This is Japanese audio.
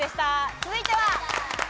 続いては。